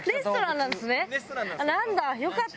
なんだ。